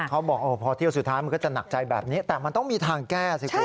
เขาบอกพอเที่ยวสุดท้ายมันก็จะหนักใจแบบนี้แต่มันต้องมีทางแก้สิคุณ